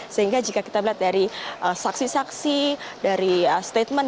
sehingga jika kita melihat dari saksi saksi dari statement